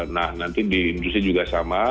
nah nanti di industri juga sama